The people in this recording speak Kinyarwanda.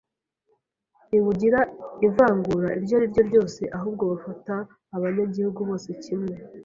Ntibugira ivangura iryo ari ryo ryose, ahubwo bufata abanyagihugu bose kimwe